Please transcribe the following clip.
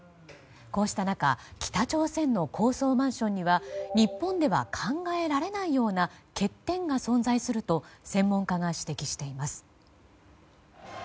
こうした中北朝鮮の高層マンションには日本では考えられないような欠点が存在すると専門家が指摘しています。